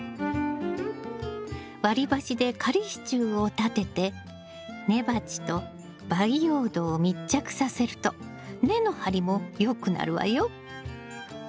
割り箸で仮支柱を立てて根鉢と培養土を密着させると根の張りもよくなるわよ。